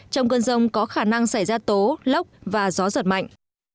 trong cơn rông có khả năng xảy ra tố lốc và gió giật mạnh